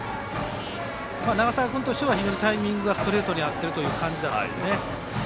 長澤君としてはタイミングがストレートに合っていたので。